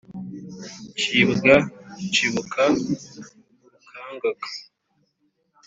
Nshibwa nshibuka-Urukangaga.